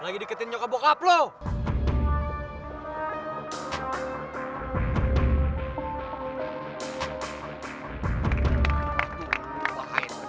satu dua tiga empat lima